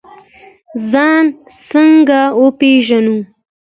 ځان څنګه وپیژنو؟